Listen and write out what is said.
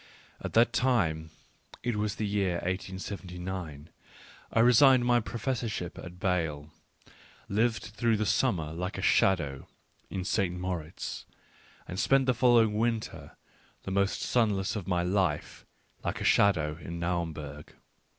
At that time — it was the year 1 879 — I resigned my professorship at B&le, lived through the summer like a shadow in St. Moritz, and spent the following winter, the most sunless of my life, like a shadow in Naumburg.